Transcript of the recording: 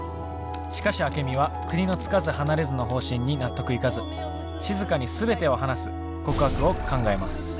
しかしアケミは国のつかず離れずの方針に納得いかずしずかに全てを話す告白を考えます。